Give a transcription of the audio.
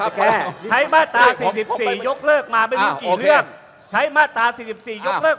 ไนท์ใช้มาตรา๔๔ยกเลิก